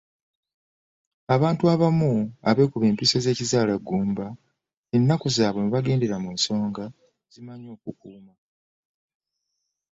abantu abamu abeekuba empiso z'ekizaala ggumba ennaku zaabwe mwe bagendera mu nsonga zimanyi okukuuma.